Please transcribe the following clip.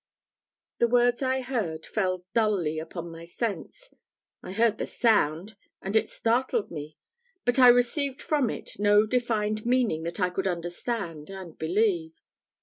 The words I heard fell dully upon my sense. I heard the sound, and it startled me; but I received from it no defined meaning that I could understand and believe.